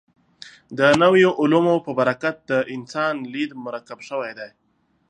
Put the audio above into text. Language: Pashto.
د نویو علومو په برکت د انسان لید مرکب شوی دی.